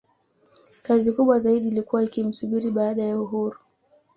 Kazi kubwa zaidi ilikuwa ikimsubiri baada ya uhuru